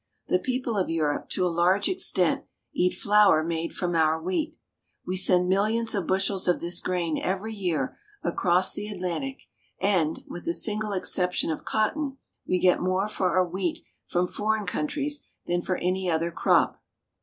The people of Europe, to a large extent, eat flour made from our wheat. We send millions of bushels of this grain every year across the Atlantic, and, with the single exception of cotton, we get more for our wheat from foreign countries than for any other crop.